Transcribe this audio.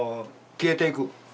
消えていく？